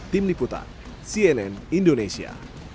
tim liputan cnn indonesia